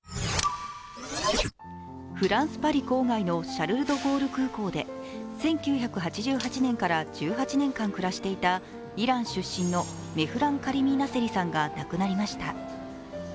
フランス・パリ郊外のシャルル・ド・ゴール空港で１９８８年かち１８年間暮らしていたイラン出身のメフラン・カリミ・ナセリさんが亡くなりました。